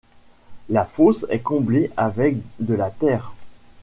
La fosse est comblée avec de la terre.